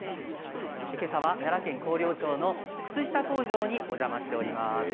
けさは奈良県広陵町の靴下工場にお邪魔しています。